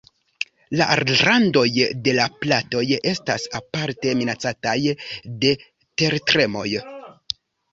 La randoj de la platoj estas aparte minacataj de tertremoj.